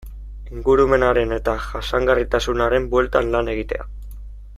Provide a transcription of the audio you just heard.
Ingurumenaren eta jasangarritasunaren bueltan lan egitea.